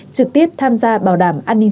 trực tiếp tham gia bảo đảm an ninh